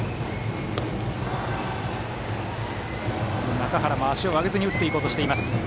中原も足を上げずに打っていこうとしています。